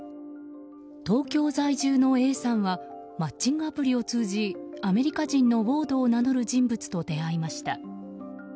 東京在住のＡさんはマッチングアプリを通じアメリカ人のウォードを名乗る人物と出会いました。